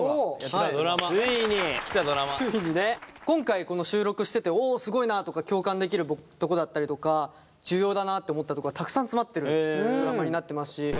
今回この収録してておすごいなとか共感できるとこだったりとか重要だなって思ったとこがたくさん詰まってるドラマになってますし。